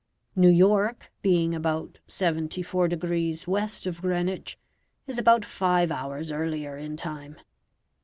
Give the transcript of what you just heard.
New York, being about 74 degrees west of Greenwich, is about five hours earlier in time.